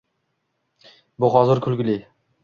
Bu hozir kulgili